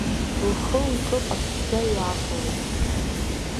Лхы-лҿы ҟаԥшьӡа иааҟалеит.